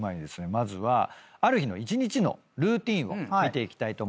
まずはある日の一日のルーティンを見ていきたいと思います。